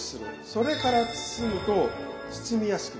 それから包むと包みやすくて破れにくくなる。